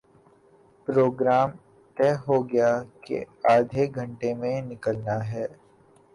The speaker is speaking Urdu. پروگرام طے ہو گیا کہ آدھےگھنٹے میں نکلنا ہے